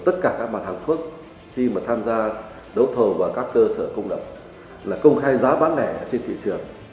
tất cả các mặt hàng thuốc khi mà tham gia đấu thầu vào các cơ sở công lập là công khai giá bán lẻ trên thị trường